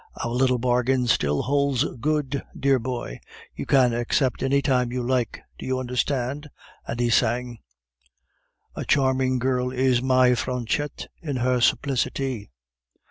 "Our little bargain still holds good, dear boy; you can accept any time you like! Do you understand?" And he sang: "A charming girl is my Fanchette In her simplicity."